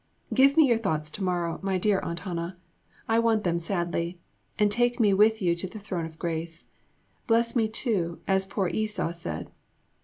Give me your thoughts to morrow, my dear Aunt Hannah; I want them sadly; and take me with you to the Throne of Grace. Bless me too, as poor Esau said.